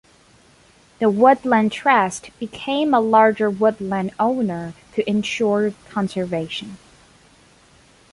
The Woodland Trust became a larger woodland owner to ensure conservation.